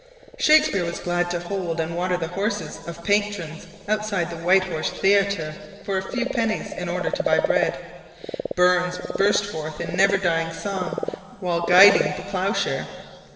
Shakespeare was glad to hold and water the horses of patrons outside the White Horse Theatre for a few pennies in order to buy bread. Burns burst forth in never dying song while guiding the ploughshare.